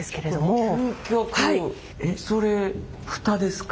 えっそれ蓋ですか？